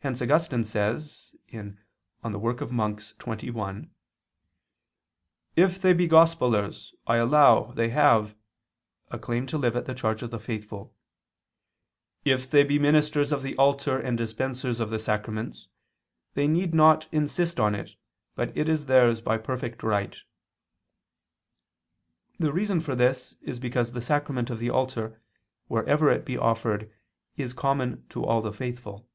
Hence Augustine says (De oper. Monach. xxi): "If they be gospelers, I allow, they have" (a claim to live at the charge of the faithful): "if they be ministers of the altar and dispensers of the sacraments, they need not insist on it, but it is theirs by perfect right." The reason for this is because the sacrament of the altar wherever it be offered is common to all the faithful.